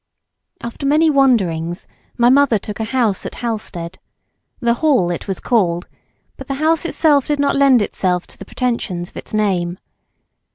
After many wanderings my mother took a house at Halstead, "The Hall" it was called but the house itself did not lend itself to the pretensions of its name.